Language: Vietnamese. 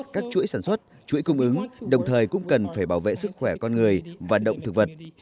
các chuỗi sản xuất chuỗi cung ứng đồng thời cũng cần phải bảo vệ sức khỏe con người và động thực vật